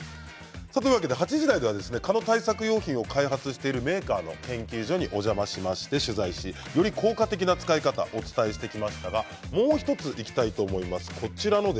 ８時台では蚊の対策用品を開発しているメーカーの研究所にお邪魔しまして、取材してより効果的な使い方をお伝えしてきましたがもう１つ、いきたいと思います。